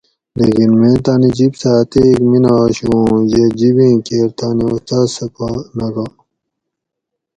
لیکِن میں تانی جِب سہۤ اتیک مینہ آشُو اُوں یہ جب ایں کیر تانی استاز سہ پا نہ گا